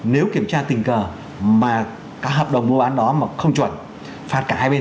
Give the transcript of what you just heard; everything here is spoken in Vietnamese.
nếu kiểm tra tình cờ mà các hợp đồng mua bán đó mà không chuẩn phạt cả hai bên